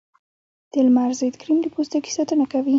د لمر ضد کریم د پوستکي ساتنه کوي